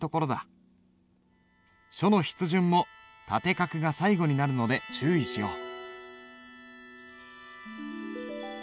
書の筆順も縦画が最後になるので注意しよう。